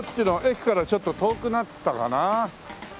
駅からちょっと遠くなったかな。